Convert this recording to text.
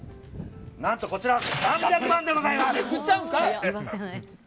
何とこちら３００万でございます。